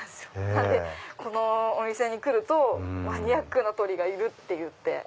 なのでこのお店に来るとマニアックな鳥がいるっていって。